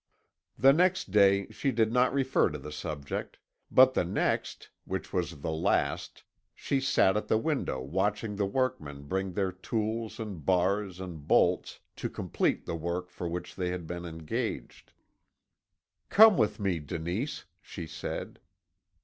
"The next day she did not refer to the subject, but the next, which was the last, she sat at the window watching the workmen bring their tools and bars and bolts to complete the work for which they had been engaged. "'Come with me, Denise,' she said.